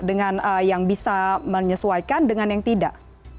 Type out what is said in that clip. dengan yang bisa menyesuaikan dengan yang tidak